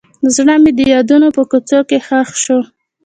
زړه مې د یادونو په کوڅو کې ښخ شو.